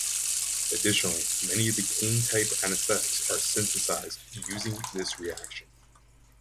Additionally, many of the "caine"-type anesthetics are synthesized using this reaction.